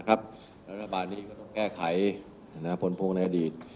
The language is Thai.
และระบาดนี้ก็ต้องแก้ไขผลพวกในอดีต